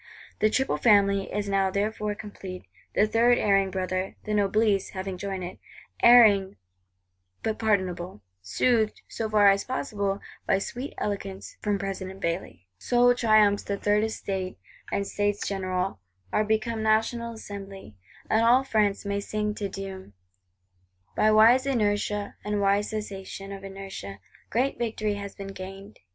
The "Triple Family" is now therefore complete; the third erring brother, the Noblesse, having joined it;—erring but pardonable; soothed, so far as possible, by sweet eloquence from President Bailly. So triumphs the Third Estate; and States General are become National Assembly; and all France may sing Te Deum. By wise inertia, and wise cessation of inertia, great victory has been gained.